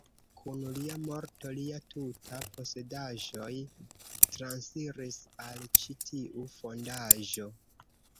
Kun lia morto lia tuta posedaĵoj transiris al ĉi tiu fondaĵo.